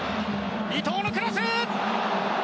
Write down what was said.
伊東のクロス！